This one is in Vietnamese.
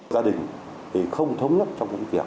gia đình thì không thống lấp trong công việc